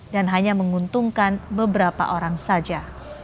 hanya menguntungkan beberapa orang saja